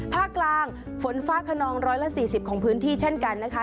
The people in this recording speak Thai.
ภาคกลางฝนฟ้าขนอง๑๔๐ของพื้นที่เช่นกันนะคะ